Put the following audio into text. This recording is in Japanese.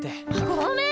ごめん！